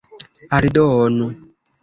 aldonu